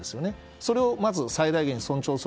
それを最大限尊重する。